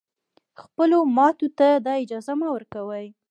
خپلو ماتو ته دا اجازه مه ورکوی